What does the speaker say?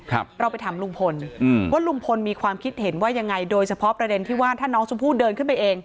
เราไปถามลุงพลอืมว่าลุงพลมีความคิดเห็นว่ายังไงโดยเฉพาะประเด็นที่ว่าถ้าน้องชมพู่เดินขึ้นไปเอง